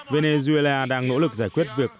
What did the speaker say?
venezuela đang nỗ lực giải quyết việc